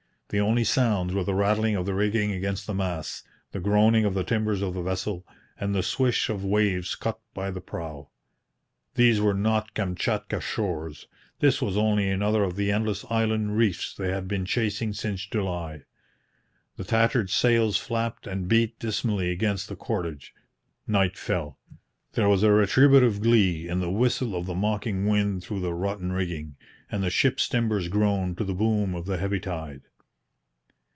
The only sounds were the rattling of the rigging against the masts, the groaning of the timbers of the vessel, and the swish of the waves cut by the prow. These were not Kamchatka shores. This was only another of the endless island reefs they had been chasing since July. The tattered sails flapped and beat dismally against the cordage. Night fell. There was a retributive glee in the whistle of the mocking wind through the rotten rigging, and the ship's timbers groaned to the boom of the heavy tide.